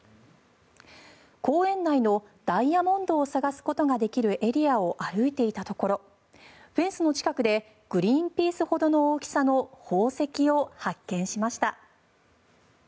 公園内の、ダイヤモンドを探すことができるエリアを歩いていたところフェンスの近くでグリーンピースほどの大きさの宝石を発見しました。